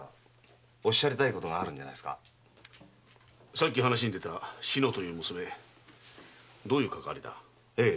さっき話に出た「志乃」という娘どういうかかわりだ？